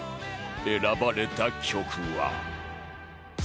選ばれた曲は